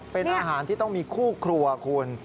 เป็นอาหารที่ต้องมีคู่ครัวคุณ